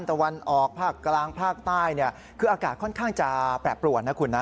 ตะวันออกภาคกลางภาคใต้คืออากาศค่อนข้างจะแปรปรวนนะคุณนะ